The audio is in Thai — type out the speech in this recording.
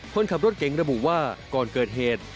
คนขับรถเก๋งระบุว่าก่อนเกิดเหตุ